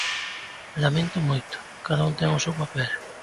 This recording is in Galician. Laméntoo moito, cada un ten o seu papel.